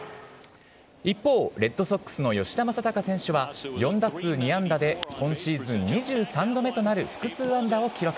一方、レッドソックスの吉田正尚選手は４打数２安打で、今シーズン２３度目となる複数安打を記録。